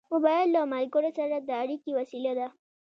موبایل له ملګرو سره د اړیکې وسیله ده.